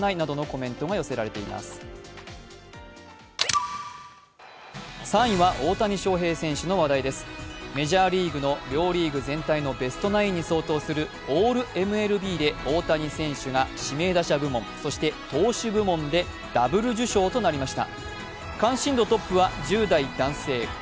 メジャーリーグの両リーグ全体のベストナインに相当するオールＭＬＢで大谷選手が指名打者部門、そして投手部門でダブル受賞となりました。